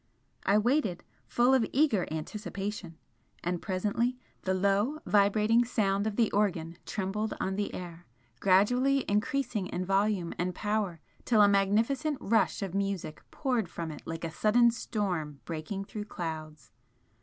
I waited, full of eager anticipation, and presently the low vibrating sound of the organ trembled on the air, gradually increasing in volume and power till a magnificent rush of music poured from it like a sudden storm breaking through clouds.